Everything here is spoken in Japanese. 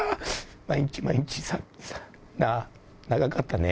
毎日毎日、長かったね。